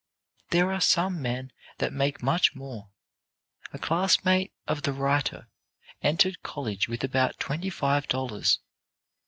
"There are some men that make much more. A classmate of the writer entered college with about twenty five dollars.